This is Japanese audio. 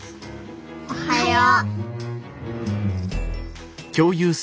おはよう。